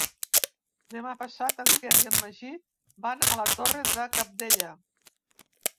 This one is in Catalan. Demà passat en Quer i en Magí van a la Torre de Cabdella.